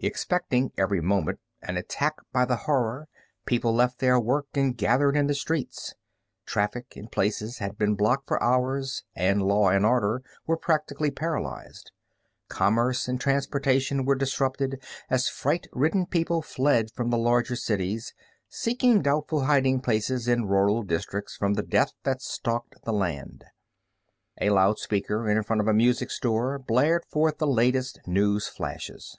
Expecting every moment an attack by the Horror, people left their work and gathered in the streets. Traffic, in places, had been blocked for hours and law and order were practically paralyzed. Commerce and transportation were disrupted as fright ridden people fled from the larger cities, seeking doubtful hiding places in rural districts from the death that stalked the land. A loudspeaker in front of a music store blared forth the latest news flashes.